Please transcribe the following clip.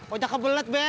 ujaka belet be